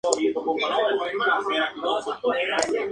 El encargado de financiar fue el corregidor Francisco de Espinoza.